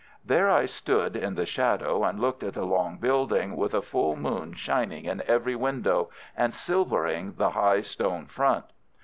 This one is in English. There I stood in the shadow and looked at the long building, with a full moon shining in every window and silvering the high stone front.